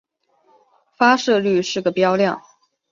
发射率是个标量。